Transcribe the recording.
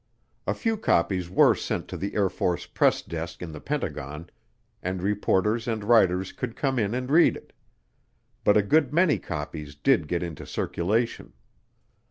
A few copies were sent to the Air Force Press Desk in the Pentagon and reporters and writers could come in and read it. But a good many copies did get into circulation.